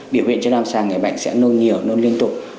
biểu hiện trên âm sàng người bệnh sẽ nôn nhiều nôn liên tục